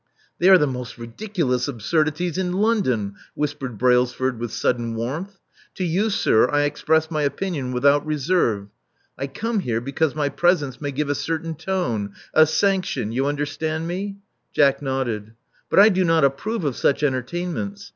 They are the most ridiculous absurdities in Lon don, whispered Brailsford with sudden warmth. To you, sir, I express my opinion without reserve. I come here because my presence may give a certain tone — a sanction — you understand me?* * Jack nodded. •*But I do not approve of such entertainments.